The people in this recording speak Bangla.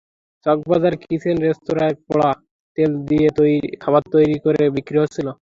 চকবাজারের কিচেন রেস্তোরাঁয় পোড়া তেল দিয়ে খাবার তৈরি করে বিক্রি হচ্ছিল।